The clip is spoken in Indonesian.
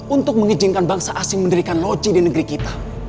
untuk mengizinkan bangsa asing mendirikan loji di negeri kita